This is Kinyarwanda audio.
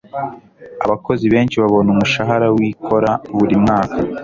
Abakozi benshi babona umushahara wikora buri mwaka.